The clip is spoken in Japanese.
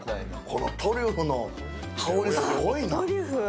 このトリュフの香りすごいな。